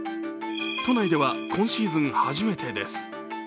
都内では今シーズン初めてです。